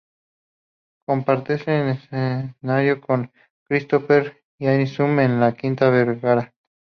Comparten escenario con Christopher Cross y Air Supply, en la Quinta Vergara.